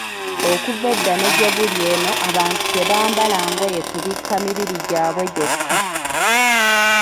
Okuva edda ne gyebuli eno abantu tebambala ngoye kubikka mibiri gyabwe gyokka.